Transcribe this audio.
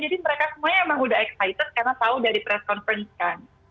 jadi mereka semuanya emang udah excited karena tau udah di press conference kan